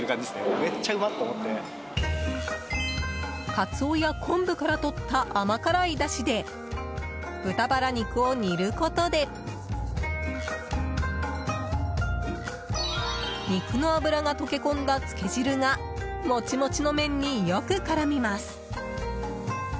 カツオや昆布からとった甘辛いだしで豚バラ肉を煮ることで肉の脂が溶け込んだつけ汁がモチモチの麺によく絡みます。